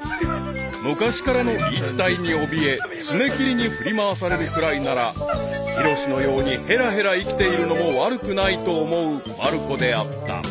［昔からの言い伝えにおびえ爪切りに振り回されるくらいならヒロシのようにへらへら生きているのも悪くないと思うまる子であった］